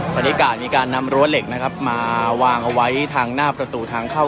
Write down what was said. บรรยากาศมีการนำรั้วเหล็กนะครับมาวางเอาไว้ทางหน้าประตูทางเข้า